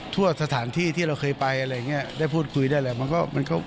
ทั่วสถานที่ที่เราเคยไปอะไรอย่างเงี้ยได้พูดคุยได้เลย